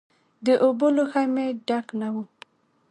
د اوبو لوښی مې ډک نه و.